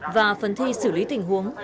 và phần thi xử lý tình huống